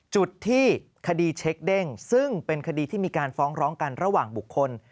จุดที่คดีเช็คเด้งซึ่งเป็นคดีที่มีการฟ้องร้องกันระหว่างบุคคล